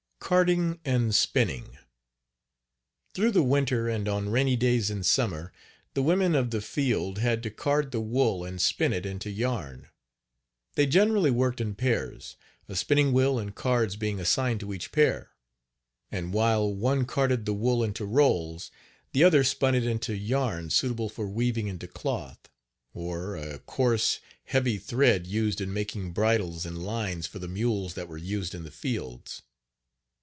CARDING AND SPINNING. Through the winter and on rainy days in summer, the women of the field had to card the wool and spin it into yarn. They generally worked in pairs, a spinning wheel and cards being assigned to each pair, and while one carded the wool into rolls, the other spun it into yarn suitable for weaving into cloth, or a coarse, heavy thread used in making bridles and lines for the mules that were used in the fields.